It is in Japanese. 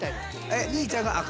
え兄ちゃんが赤？